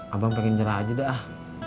abang pengen nyerah aja dah